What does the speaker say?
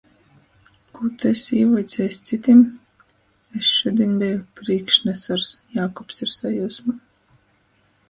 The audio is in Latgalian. Kū tu esi īvuicejs cytim? "Es šudiņ beju Prīkšnesors!" Jākubs ir sajiusmā.